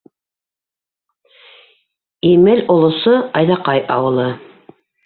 Имел олосо, Айҙаҡай ауылы.